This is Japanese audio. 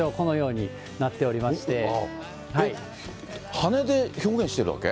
羽で表現しているわけ？